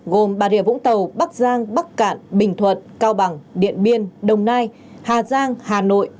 gồm bà rịa vũng tàu bắc giang bắc cạn bình thuận cao bằng điện biên đồng nai hà giang hà nội